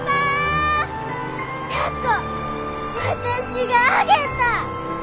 凧私があげた！